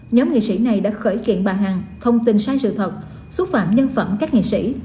nhóm nghị sĩ này đã khởi kiện bà hằng thông tin sai sự thật xúc phạm nhân phẩm các nghệ sĩ